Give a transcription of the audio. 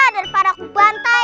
daripada aku bantai